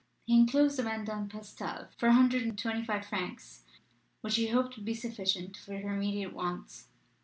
He enclosed a mandat postal for a hundred and twenty five francs, which he hoped would be sufficient for her immediate wants.